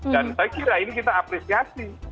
dan saya kira ini kita apresiasi